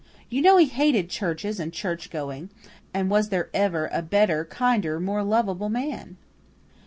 You know he hated churches and churchgoing. And was there ever a better, kinder, more lovable man?"